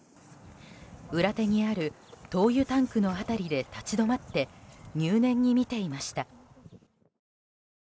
裏手にある灯油タンクの辺りで立ち止まって入念に見ていました。